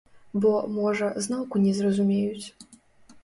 Бо, можа, зноўку не зразумеюць.